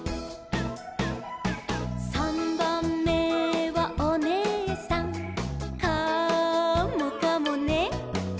「さんばんめはおねえさん」「カモかもね」